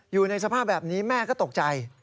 อยู่ในสภาพแบบนี้แม่ก็ตกใจ